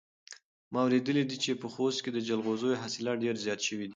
ما اورېدلي دي چې په خوست کې د جلغوزیو حاصلات ډېر زیات شوي دي.